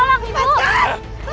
ibu tolong ibu